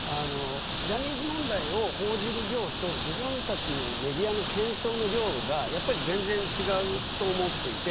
ジャニーズ問題を報じる量と自分たちのメディアの検証の量が全然違うと思っていて